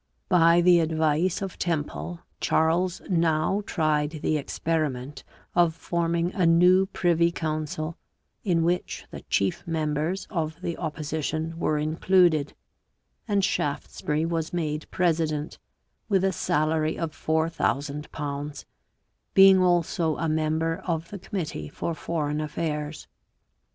By the advice of Temple, Charles now tried the experiment of forming a new privy council in which the chief members of the opposition were included, and Shaftesbury was made president, with a salary of ┬Ż4000, being also a member of the committee for foreign affairs.